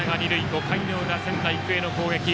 ５回の裏、仙台育英の攻撃。